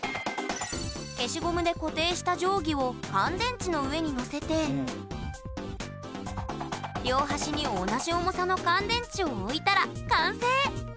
消しゴムで固定した定規を乾電池の上に載せて両端に同じ重さの乾電池を置いたら完成！